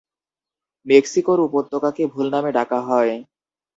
মেক্সিকোর উপত্যকাকে ভুল নামে ডাকা হয়।